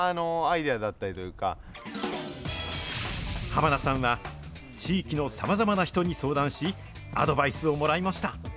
濱田さんは、地域のさまざまな人に相談し、アドバイスをもらいました。